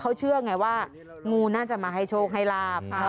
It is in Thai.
เขาเชื่อไงว่างูน่าจะมาให้โชคให้ลาบ